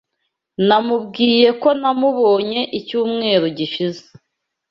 Namubwiye ko namubonye icyumweru gishize.